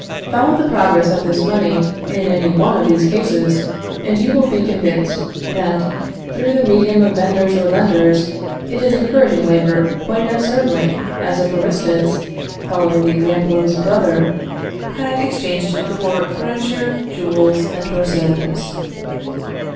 Follow the progress of this money in any one of these cases, and you will be convinced, that through the medium of vendors or lenders, it is encouraging labour quite as certainly as if Aristus, following the example of his brother, had exchanged it for furniture, jewels, and horses.